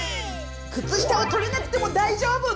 靴下をとれなくても大丈夫！